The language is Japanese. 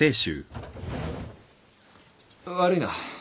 悪いな。